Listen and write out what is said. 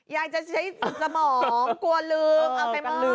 อยากจะใช้สิทธิ์จมองกลัวลืมเอาไปเมื่อก่อนลืม